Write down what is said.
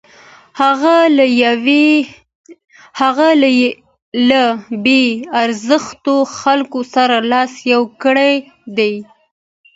هغه له بې ارزښتو خلکو سره لاس یو کړی دی.